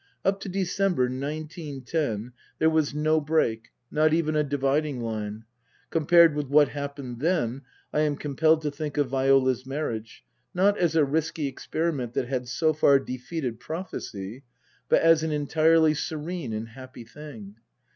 Up to December, nineteen ten, there was no break, not even a dividing line. Compared with what happened then I am compelled to think of Viola's marriage, not as a risky experiment that had so far defeated prophecy, but as an entirely serene and happy thing.